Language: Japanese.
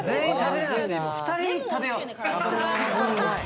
２人食べよう。